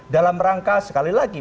dalam rangka sekali lagi